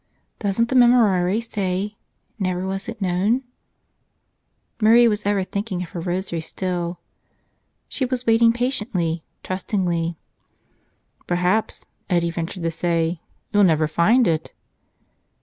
Doesn't the Memorare say: 'never was it known'?" Marie was ever thinking of her rosary still. She was waiting patiently, trustingly. "Perhaps," Eddie ventured to say, "you'll never find it."